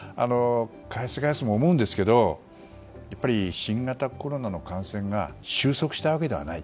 返す返すも思うんですがやっぱり新型コロナの感染が収束したわけではない。